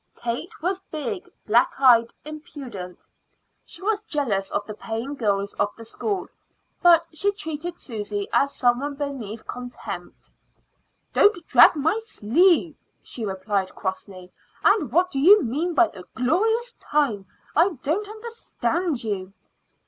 Kate was big, black eyed, impudent. She was jealous of the paying girls of the school; but she treated Susy as some one beneath contempt. "Don't drag my sleeve," she replied crossly. "And what you do mean by a glorious time? I don't understand you."